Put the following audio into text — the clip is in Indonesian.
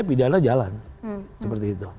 pidana jalan seperti itu